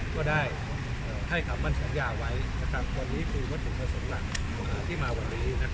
ก็ได้ให้คำมั่นสัญญาไว้วันนี้ก็ถึงสำหรับที่มาวันนี้